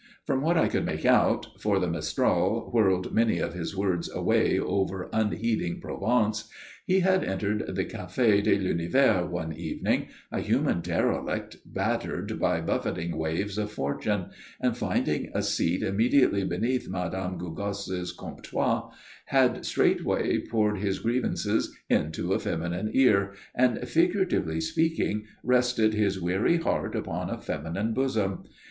From what I could make out for the mistral whirled many of his words away over unheeding Provence he had entered the Café de l'Univers one evening, a human derelict battered by buffeting waves of Fortune, and, finding a seat immediately beneath Mme. Gougasse's comptoir, had straightway poured his grievances into a feminine ear and, figuratively speaking, rested his weary heart upon a feminine bosom.